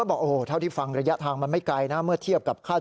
บอกว่าเทียร์ละ๗๐๐บาทอ๋อ